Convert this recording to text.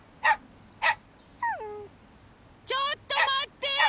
ちょっとまって！